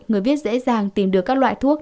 người viết dễ dàng tìm được các loại thuốc